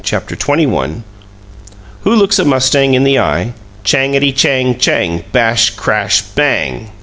CHAPTER XXI "WHO looks a mustang in the eye? Changety, chang, chang! Bash! Crash! BANG!"